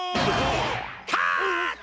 カット！